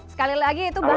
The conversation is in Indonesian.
sekali lagi itu bahas